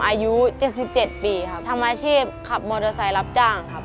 อายุ๗๗ปีครับทำอาชีพขับมอเตอร์ไซค์รับจ้างครับ